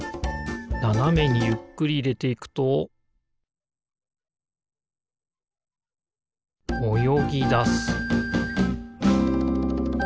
ななめにゆっくりいれていくとおよぎだす